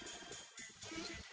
mereka semua sudah berhenti